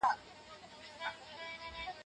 دا د اسلام خلاف عمل دی.